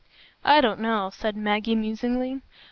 "I don't know," said Maggie, musingly.